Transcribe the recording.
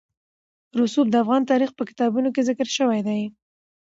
رسوب د افغان تاریخ په کتابونو کې ذکر شوي دي.